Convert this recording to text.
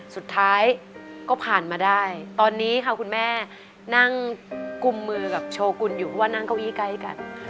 สุดท้ายก็ผ่านมาได้ตอนนี้ค่ะคุณแม่นั่งกุมมือกับโชกุลอยู่เพราะว่านั่งเก้าอี้ใกล้กัน